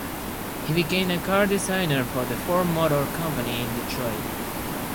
He became a car designer for the Ford Motor Company in Detroit.